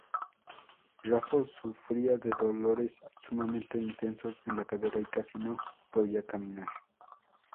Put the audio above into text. Raffo sufría de dolores sumamente intensos en la cadera y casi no podía caminar.